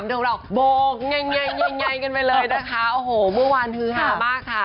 บันเทิงเราโบกไงไงไงไงกันไปเลยนะคะโอ้โหมื่อวานคือฮามากค่ะ